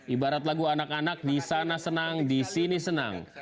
ibarat lagu anak anak di sana senang di sini senang